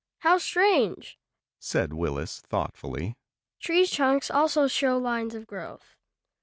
"How strange!" said Willis thoughtfully. "Tree trunks also show lines of growth."